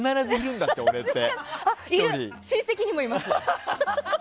親戚にもいます。